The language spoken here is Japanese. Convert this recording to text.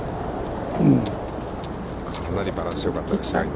かなりバランスよかったですよ、今。